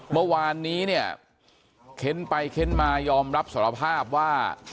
เมื่อวานนี้เนี่ยเค้นไปเค้นมายอมรับสารภาพว่า